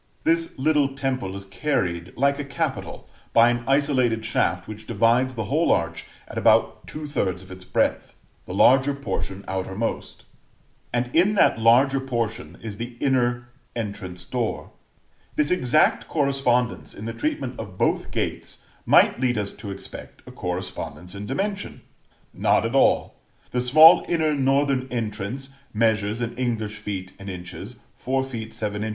This little temple is carried, like a capital, by an isolated shaft which divides the whole arch at about 2/3 of its breadth, the larger portion outmost; and in that larger portion is the inner entrance door. This exact correspondence, in the treatment of both gates, might lead us to expect a correspondence in dimension. Not at all. The small inner northern entrance measures, in English feet and inches, 4 ft. 7 in.